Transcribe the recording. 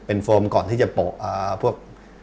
เป็นโฟมก่อนที่จะโปะพวก